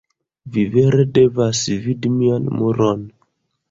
Vi vere devas vidi mian muron.